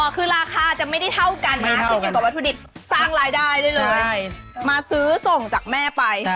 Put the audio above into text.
คือราคาจะไม่ได้เท่ากันนะขึ้นอยู่กับวัตถุดิบสร้างรายได้ได้เลยมาซื้อส่งจากแม่ไป